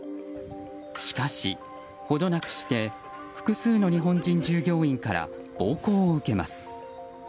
しかし、ほどなくして複数の日本人従業員から暴行を受けます。